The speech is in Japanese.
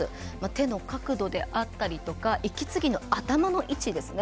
手の角度であったりとか息継ぎの頭の位置ですね。